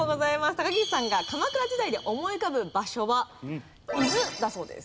高岸さんが鎌倉時代で思い浮かぶ場所は伊豆だそうです。